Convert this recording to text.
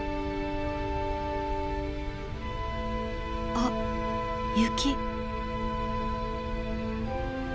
あっ雪。